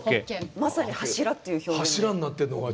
まさに柱っていう表現で。